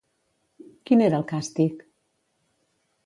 Quin era el càstig?